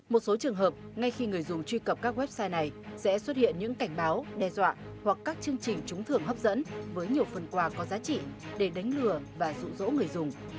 một số trường hợp ngay khi người dùng truy cập các website này sẽ xuất hiện những cảnh báo đe dọa hoặc các chương trình trúng thường hấp dẫn với nhiều phần quà có giá trị để đánh lừa và dụ dỗ người dùng